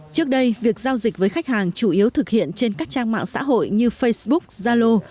trước đây việc giao dịch với khách hàng chủ yếu thực hiện trên các trang mạng xã hội như facebook zalo